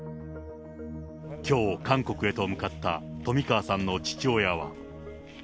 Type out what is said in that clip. きょう、韓国へと向かった冨川さんの父親は。